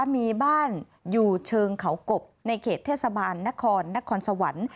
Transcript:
มีบ้านอยู่เชิงเขากบในเขตเทศบาลนครนครสวรรค์